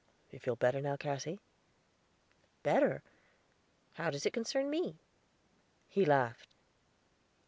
Do you feel better now, Cassy?" "Better? How does it concern me?" He laughed.